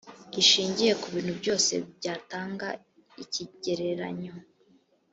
gishingiye ku bintu byose byatanga ikigereranyo